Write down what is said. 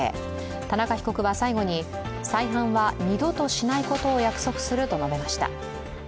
田中被告は最後に、再犯は二度としないことを約束すると述べました。